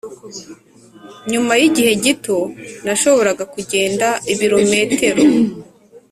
Nyuma y ‘igihe gito nashoboraga kugenda ibirometero.